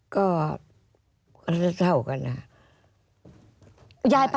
ก็เท่ากันฮะ